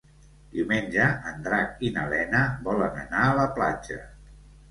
Diumenge en Drac i na Lena volen anar a la platja.